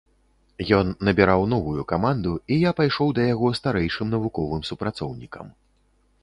Ён набіраў новую каманду, і я пайшоў да яго старэйшым навуковым супрацоўнікам.